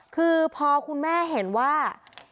คือพอคุณแม่เห็นว่า